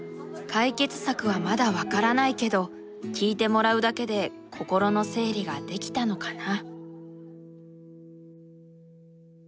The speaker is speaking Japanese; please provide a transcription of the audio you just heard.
解決策はまだ分からないけど聞いてもらうだけで心の整理ができたのかな。